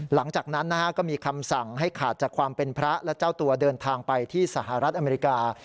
หลังจากนั้นก็มีคำสั่งให้ขาดจากความเป็นพระและเจ้าตัวเดินทางไปที่สหรัฐอเมริกา